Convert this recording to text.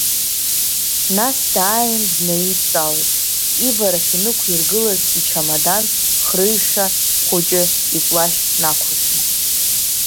Нас дааин днаидтәалеит, иварахь инықәиргылаз ичамадан хрыҩшәа хәыҷы иплашь нақәыршәны.